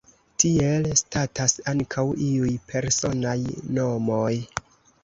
Tiel statas ankaŭ iuj personaj nomoj.